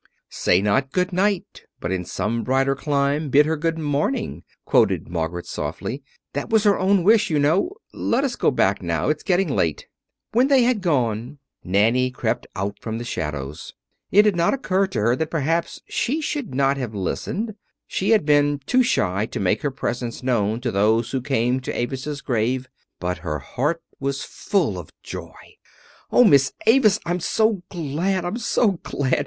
"'Say not good night, but in some brighter clime bid her good morning,'" quoted Margaret softly. "That was her own wish, you know. Let us go back now. It is getting late." When they had gone Nanny crept out from the shadows. It had not occurred to her that perhaps she should not have listened she had been too shy to make her presence known to those who came to Avis's grave. But her heart was full of joy. "Oh, Miss Avis, I'm so glad, I'm so glad!